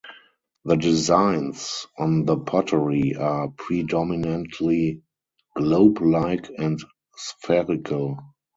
The designs on the pottery are predominantly globe-like and spherical.